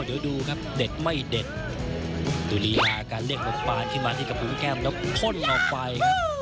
เดี๋ยวดูครับเด็ดไม่เด็ดดูลีลาการเล่นของปานขึ้นมาที่กระพุงแก้มแล้วพ่นออกไปครับ